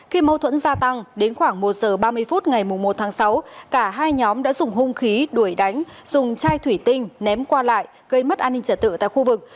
khi mâu thuẫn gia tăng đến khoảng một giờ ba mươi phút ngày một tháng sáu cả hai nhóm đã dùng hung khí đuổi đánh dùng chai thủy tinh ném qua lại gây mất an ninh trả tự tại khu vực